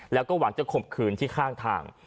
แล้วก็หวังจะข่มขืนที่ข้างทาง